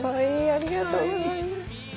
ありがとうございます。